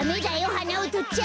はなをとっちゃ！